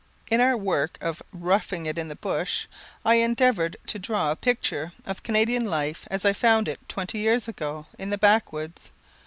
S.M. In our work of "Roughing it in the Bush," I endeavoured to draw a picture of Canadian life, as I found it twenty years ago, in the Backwoods.